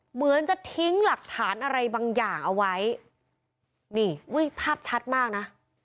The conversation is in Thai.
เหมือนจะทิ้งหลักฐานอะไรบางอย่างเอาไว้นี่อุ้ยภาพชัดมากนะ